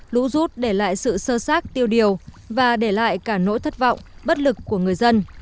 lũ rút để lại sự sơ sát tiêu điều và để lại cả nỗi thất vọng bất lực của người dân